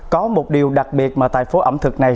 có một điều đặc biệt mà tại phố ẩm thực này